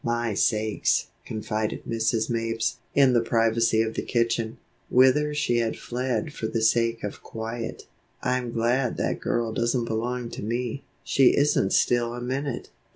"My sakes," confided Mrs. Mapes, in the privacy of the kitchen, whither she had fled for the sake of quiet, "I'm glad that girl doesn't belong to me; she isn't still a minute."